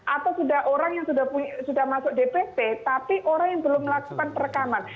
atau sudah orang yang sudah masuk dpp tapi orang yang belum melakukan perekaman